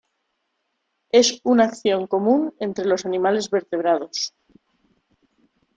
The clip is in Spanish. Es una acción común entre los animales vertebrados.